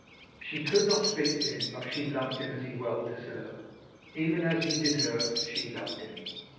She could not speak to him, but she loved him, as he well deserved. Even as he deserved, she loved him.